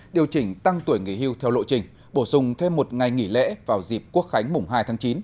điều chỉnh tăng tuổi nghỉ hưu theo lộ trình bổ sung thêm một ngày nghỉ lễ vào dịp quốc khánh mùng hai tháng chín